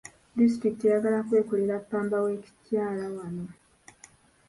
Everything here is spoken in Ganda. Disitulikiti eyagala kwekolera ppamba w'ekikyala wano.